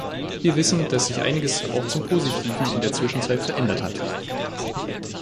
Wir wissen, dass sich einiges auch zum Positiven in der Zwischenzeit verändert hat.